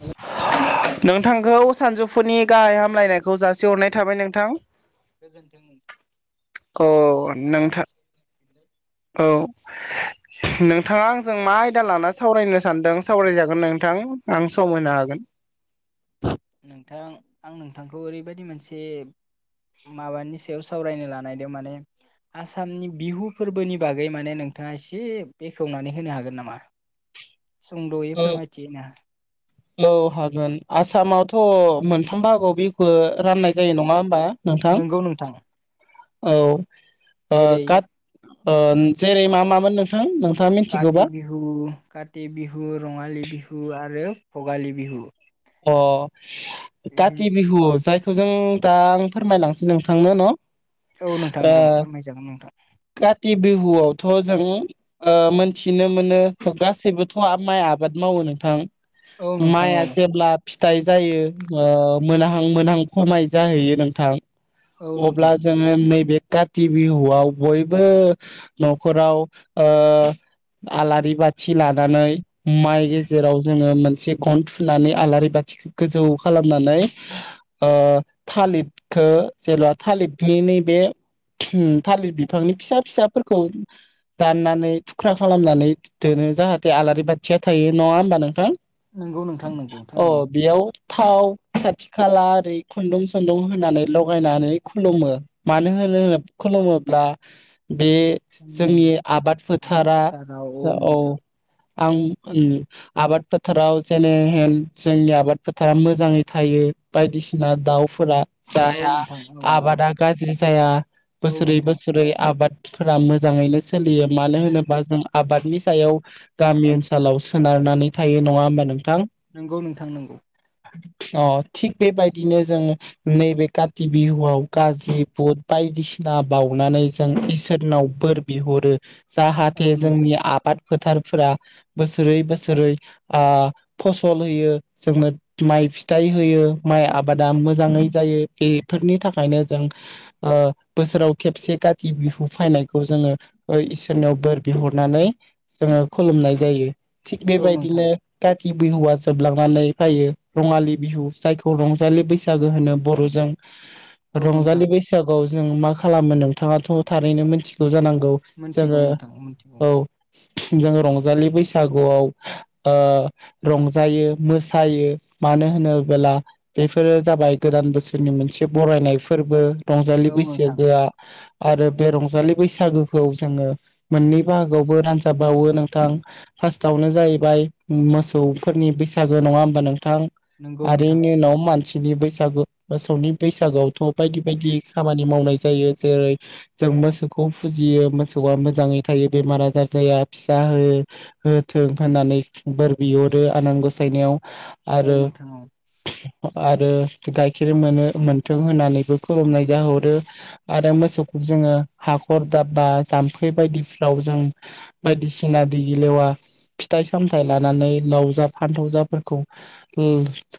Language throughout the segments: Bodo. हेल' नोंथांखौ सानजौफुनि गाहाय हामलायनायखौ जासिहरनाय थाबाय नोंथां गोजोन्थों अ नोंथांनिसिमबो आं नोंथां। सासे फिनबाय औ नोंथाङा आंजों मा आयदा लाना सावरायनो सानदों सावरायजागोन नोंथां आं सम होनो हागोन नोंथां आं नोंथांखौ ओरैबायदि मोनसे माबानि सायाव सावरायनो लानायदों माने आसामनि बिहु फोरबोनि बागै माने नोंथाङा एसे बेखेवनानै होनो हागोन नामा? सुंद'यै हागोन फोरमायथि ना औ हागोन आसामावथ' मोनथाम भाहागोआव बि खो राननाय जायो नङा होमबा नोंथां? नंगौ नोंथां औ ओ जेरै खाथ ओम जेरै मा मामोन नोंथां? नोंथाङा काथि मिथिगौबा बिहु काथि बिहु रङालि बिहु आरो भगालि बिहु अ काथि बिहुआव जाय थ जों दा आं फोरमायलांनोसै नोंथांनो न' औ नोंथां दे ओ फोरमाय जागोन नोंथां काति बिहुआवथ' जों ओ मोनथिनो मोनो गासैबोथ' माइ आबाद मावो नोंथां औ नोंथां माइआ औ जेब्ला फिथाइ जायो ओ मोनहां मोनहां खमाय जाहैयो नोंथां औ नोंथां अब्ला जोङो नै बे काति बिहुआव बयबो न'खराव ओ आलारि बाथि लानानै माइ गेजेराव जोङो मोनसे गन थु नानै आलारि बाथिखौ गोजौ खालामनानै ओ थालिरखो जेब्ला थालिरनि नैबे उम थालिर बिफांनि फिसा फिसाफोरखौ दाननानै थुख्रा खालामनानै दोनो जाहाथे आलारि बाथिया थायो नङा होमबा नोंथां नंगौ नोंथां नंगौ अ थारैनो बेयाव थाव खाथि खाला ओरै खुन्दुं सुन्दुं होनानै लगायनानै खुलुमो मानो होनो खुलुमोब्ला बे जोंनि आबाद फोथारा औ आं उम आबाद फोथाराव जेने जोंनि आबाद फोथारा मोजाङै थायो बायदिसिना दाउ फोरा औ जाया नोंथां औ नोंथां आबादा गाज्रि जाया औ बोसोरै नोंथां बोसोरै आबाद फोरा मोजाङैनो सोलियो मानो होनोबा जों आबादनि सायाव गामि ओनसोलाव सोनारनानै थायो नङा होमबा नोंथां नोंगौ नोंथां नोंगौ अ थिग बेबायदिनो जों नैबे काति बिहुआव गाज्रि बुट बायदिसिना बाउनानै जों इसोरनाव बोर बिहरो औ जाहाथे नोंथां जोंनि आबाद फोथारफोरा बोसोरै बोसोरै आ फस सल होयो जोंनो माइ फिथाइ होयो माइ आबादा मोजाङै जायो बेफोरनि थाखायनो जों ओ बोसोराव खेबसे काति बिहु फायनायखौ जोङो इसोरनियाव बोर बिहरनानै जोङो खुलुमनाय जायो थिख औ नोंथां बेबायदिनो कात ति बिहुआ जोबलांनानै फायो रङालि बिहु जायखौ रंजालि बैसागो होनो बर'जों औ नोंथां रंजालि बैसागुआव जों मा खालामो नोंथाङाथ' थारैनो मिथिगौ जानांगौ। गौ मोनथिगौ जोङो नोंथां मोनथिगौ औ। जोंङो रंजालि बैसागुआव ओ रं जायो मोसायो मानो होनोबला बेफोरो जाबाय गोदान बोसोरनि मोनसे बरायनाय फोरबो रंजालि औ नोंथां बैसागो आ आरो बे रंजालि बैसागोखौ जोङो मोननै बाहागोआवबो रानजाब बावो नोंथां फार्स्टआवनो जाहैबाय मोसौ फोरनि बैसागो नङा होनबा नों नंगौ आरो नोंथां इनि उनाव मानसि बैसागु मोसौनि बैसागुआवथ' बायदि बायदि खामानि मावनाय जायो जेरै जों मोसौखौ फुजियो मोसौआ मोजाङै थायो बेमार आजार जाया फिसा हो होथों होननानै बोर बियो आरो आनान गसायनायाव औ नोंथां औ। आरो गाइखेर मोनो मोनथों होननानैबो खुलुमनाय जाहरो आरो मोसौखौ जोङो हाखर दाबबा जाम्फै बायदिफ्राव जों बायदिसिना दैगिलेवा फिथाइ सामथायाइ लानानै लाव जा फानथाव जाफोरखौ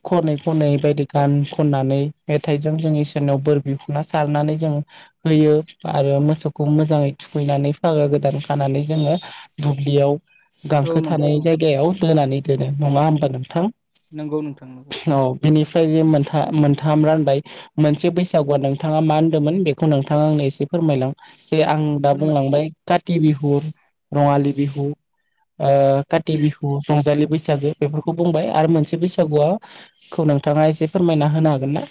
खनै खनै बायदि गान खननानै मेथाइजों जों इसोरनियाव बोर बिखुना सारनानै जों होयो आरो मोसौखौ मोजाङै थुखैनानै फागा गोदान खानानै जोङो दुब्लियाव औ गांखो नोंथां थानाय औ जायगायाव दोनानै दोनो नङा होमबा नोंथां। नंगौ नोंथां नंगौ। फ्राय मोनथा मोनथाम रानबाय मोनसे बैसागुआ नोंथाङा मा होनदोंमोन बेखौ नोंथाङा आंनो एसे फोरमायलां जे आं दा फोरमाय बुंलांबाय। काति बिहु रङाली बिहु आ काति बि हु रंजालि बैसागो बेफोरखौ बुंबाय आरो मोनसे बैसागुआ खौ नोंथाङा एसे फोरमायना होनो हागोन ना?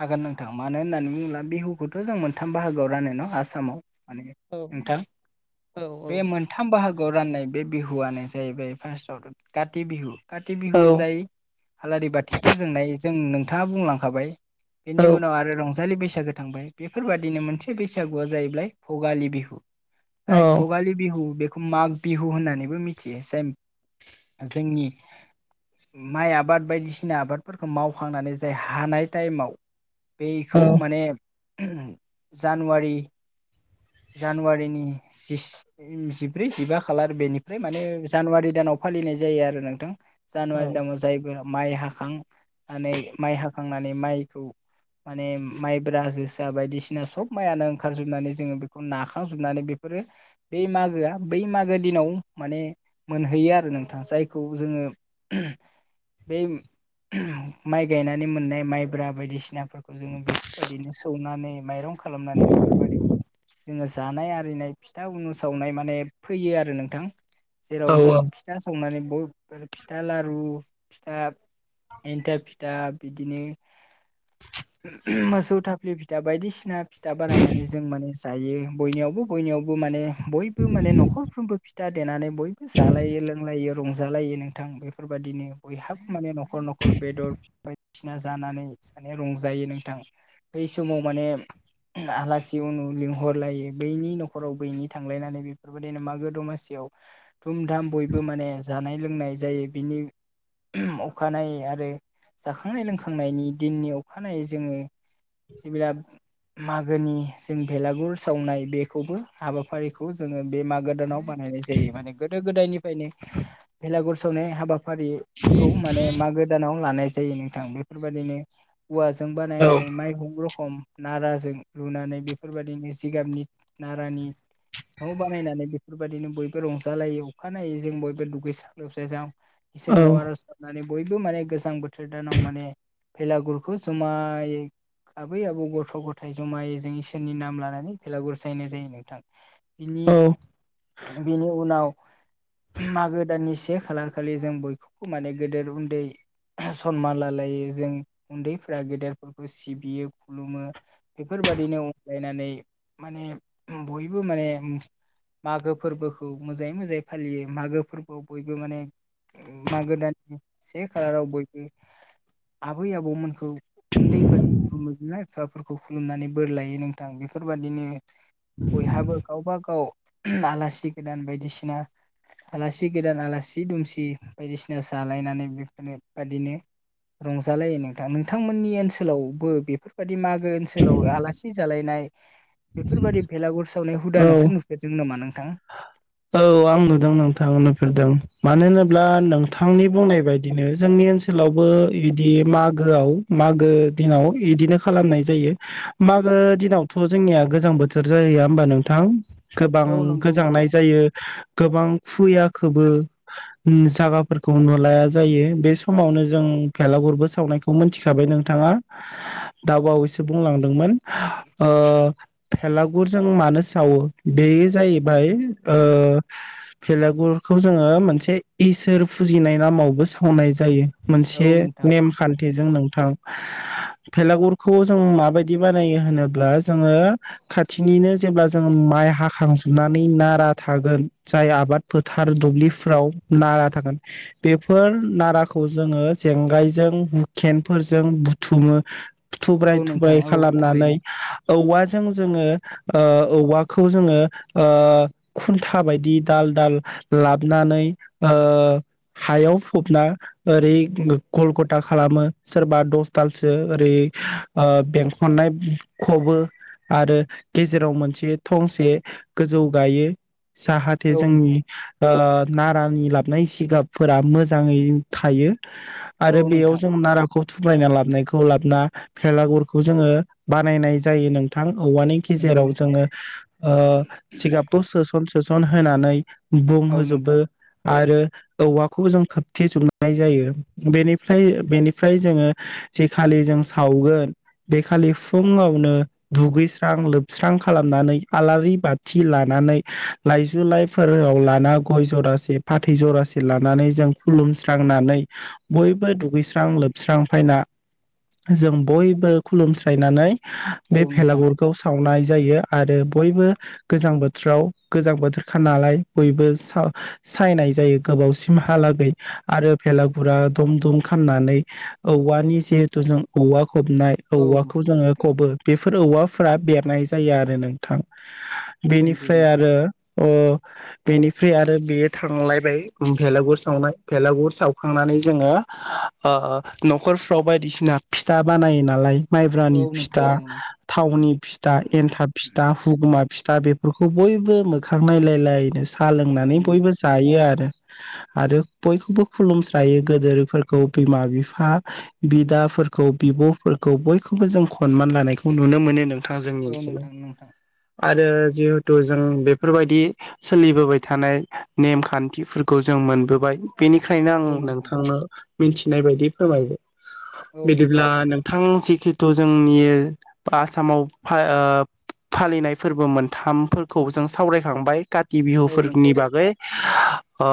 हागोन नोंथां मानो होननानै बुङोब्ला बिहुखौथ' जों मोनथाम बाहागोआव रानो न' आसामाव माने औ नोंथां औ बे मोनथाम बाहागोआव राननाय बे बिहुआनो जाहैबाय फार्स्टआवथ' काति बिहु काति बिहुयाव जाय आलारि बाथि फोजोंनाय जों नों नोंथाङा बुंलांखाबाय बेनि उनाव आरो रंजालि बैसागु थांबाय बेफोरबादिनो मोनसे बैसागुआ जाहैबाय भगालि बिहु औ आइ भगालि बिहु बेखौ माग बिहु होननानैबो मिथियो जाय जोंनि माइ आबाद बायदिसिना आबादफोरखौ मावखांनानै जाय हानाय टाइमाव औ बेखौ माने जानुवारि जानुवारिनि जि जिब्रै जिबा खालार बेनिफ्राय माने जानुवारि दानाव फालिनाय जायो आरो नोंथां। जानुवारि दामाव जायफोरा माइ हाखांनानै माइ हाखांना नै माइखौ माने माइब्रा जोसा बायदिसिना सब माइयानो ओंखारजोबनानै जोङो बेखौ नाखांजोबनानै बेफोरो बे मागोआ बै मागो दिनाव माने मोनहैयो आरो नोंथां जायखौ जोङो बै माइ गायनानै मोननाय माइब्रा बायदिसिनाफोर जोङो बेफोरबायदिनो सौनानै माइरं खालामनानै बेफोरबायदिनो जोङो जानाय आरिनाय फिथा उनु सावनाय माने फैयो आरो नोंथां जेराव औ जों फिथा सावनानै ब फिथा लारु फिथा एनथाब फिथा बिदिनो उह मोसौ थापिलि फि था बायदिसिना फिथा बानायनानै जों माने जायो बयनियावबो बयनियावबो माने बयबो माने न'खरफ्रोमबो फि था देनानै बयबो जालायो लोंलायो रंजालायो नोंथां बेफोरबायदिनो बयहाबो माने न'खर न'खर बेदर बायदिसिना जानानै माने रंजायो नोंथां बै समाव माने आलासि उनु लिंहरलायो बैनि न'खराव बैनि थांलायनानै बेफोरबायदिनो मागो दमासियाव धुमधाम बयबो माने जानाय लोंनाय जायो बिनि अखानायै आरो जाखांनाय लों खांनायनि दिननि अखानायै जोङो जेला मागोनि जों भेलागुर सावनाय बेखौबो हाबाफारिखौ जोङो बे मागो दानाव बानायनाय जायो माने गोदो गोदायनिफ्रायनो भेलागुर सावनाय हाबा हाबाफारिखौ माने मागो दानाव लानाय जायो नोंथां बे फोरबायदिनो औवाजों बानायनानै माइहुं रखम नाराजों लुनानै बेफोरबायदिनो जिगाबनि नारानि न' बानायनानै बेफोरबायदिनो बयबो रंजालायो अखानायै जों बयबो दुगैस्रां लोबस्रा जों इसे औ नेवार [unintelligible] बयबो माने गोजां बोथोर दानाव माने भेलागुरखौ जमायै आबै आबौ गथ' गथाय जमायै जों इसोरनि नाम लानानै भेलागुर जायनाय जायो नोंथां बिनि औ बिनि उनाव मागो दाननि से खालार खालि जों बयखौबो माने गेदेर उन्दै सनमान लालायो जों उन्दैफ्रा गेदेरफोरखौ सिबियो खुलुमो बेफोरबादिनो अनलायनानै माने बयबो माने मागो फोरबोखौ मोजाङै मोजाङै फालियो मागो फोरबोआव बयबो माने मागो दाननि से खालाराव बयबो आबै आबौमोनखौ उन्दैफोरा खुलुमो बिमा बिफाफोरखौ खुलुमनानै बोर लायो नोंथां बेफोरबायाददिनो बयहाबो गावब गाव आलासि गोदान बायदिसिना आलासि गोदान आलासि दुमसि बायदिसिना जालायनानै बेफोरनो बादिनो रंजालायो नोंथां नोंथांमोननि ओनसोलावबो बेफोरबायदि मागो ओनसोलाव आलासि जालायनाय बेफोरबायदि बेलागुर सावनाय हुदा औ नोंसो नुफेरदों नामा नों थां औ आं नुदों नोंथां नुफेरदों मानो होनोब्ला नोंथांनि बुंनाय बायदिनो जोंनि ओनसोलावबो इदि मागोआव मागो दिनाव इदिनो खालामनाय जायो मागो दिनावथ' जोंनिया गोजां बोथोर जाहैया होमबा नोंथां गोबां औ नंगौ नोंथां। गोजांनाय गोबां फुयाखोबो जागाफोरखौ नुलाया जायो बे समावनो जों फेलागुरबो सावनायखौ मोनथिखाबाय नोंथाङा दा बावैसो बुंलांदोंमोन ओ भेलागुरजों मानो थावो बेस जायो बाय ओ भेलागुरखौ जोङो मोनसे इसोर फुजिनाय नामावबो सावनाय जायो। मोनसे औ नोंथां नेमखान्थिजों नों थां भेलागुरखौ जों माबायदि बानायो होनोब्ला जोङो खाथिनिनो जेब्ला जों माइ हाखांजोबनानै नारा थागोन जाय आबाद फोथार दुब्लिफ्राव नारा थागोन बेफोर नाराखौ जोङो जेंगायजों हुखेनफोरजों बुथुमो औ थुब्राय नोंथां थुब्राय औ खालामनानै थारैनो औवाजों जोङो ओ औवाखौ जोङो ओ खुन्था बायदि दाल दाल लाबनानै ओ हायाव फबना ओरै गल गथा खालामो सोरबा दस दालसो ओरै बेंखननाय खबो आरो गेजेराव मोनसे थंसे गोजौ गायो। जाहाथे औ जोंनि नोंथां ओ नारानि लाबनाय जिगाबफोरा मोजाङै थायो। औ आरो बेयाव नोंथां जों नारा खौ थुब्रायना लाबनायखौ लाबोना भेलागुरखौ जोङो बानायनाय जायो नोंथां। औवानि नंगौ गेजेराव नोंथां जोङो ओ जिगाबखौ सोसन होनानै औ बुंहोजोबो नोंथां आरो औवाखौ जों खोबथे जोबनाय जायो बेनिफ्राय बेनिफ्राय जोङो जेखालि जों सावगोन बेखालि फुङावनो दुगैस्रां लोबस्रां खालामनानै आलारि बाथि लानानै लाइजु लाइफोराव लाना गय जरासे फाथै जरासे लानानै जों खुलुमस्रांनानै बयबो दुगैस्रां लोबस्रां फैना जों बयबो खुलुमस्रायनानै बे औ नोंथां भेलागुरखौ सावनाय जायो आरो बयबो गोजां बोथोराव गोजां बोथोरखा नालाय बयबो सा सायनाय जायो गोबावसिमहालागै आरो भेलागुरा दुम दुम खामनानै औवानि जिहेथु जों औवा फबनाय औ औवाखौ जोङो खबो बे फोर औवाफोरा बेरनाय जायो आरो नोंथां नंगौ बेनिफ्राय आ नोंथां रो ओ बेनिफ्राय आरो बेयो थांलायबाय भेलागुर सावनाय भेलागुर सावखांनानै जोङो ओ न'खरफ्राव बायदिसिना फिथा बानायो नालाय माइब्रानि औ नोंथां फिथा औ नोंथां थावनि फिथा एनथाब फिथा हुगुमा फिथा बेफोरखौ बयबो मोखां नायलायलायनोसै साहा लोंनानै जायो बयबो जायो नोंथां आरो आरो बयखौबो खुलुमस्रायो गोदोरफोरखौ बिमा बिफा बिदाफोरखौ बिब'फोरखौ बयखौबो जों खनमान लानायखौ नुनो मोनो नों औ नोंथां नोंथां आरो जि हेतु' जों बेफोरबायदि सोलिबोबाय थानाय नेम खानथिफोरखौ जों मोनबोबाय। बेनिखायनो आं औ नोंथां नोंथांनो मिनथिनाय बायदि फोरमायबाय औ नोंथां बिदिब्ला नोंथां जि खिथु जोंनि आसामाव फा ओ फालिनाय फोरबो मोनथाम फोरखौ जों सावरायखांबाय का ति औ बिहुफोरनि नोंथां बागै ओ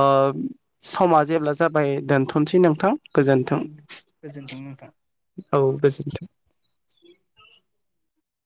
समा जेब्ला जाबाय दोनथ'नोसै नोंथां गोजोन्थों गोजोनथों नोंथां औ गोजोनथों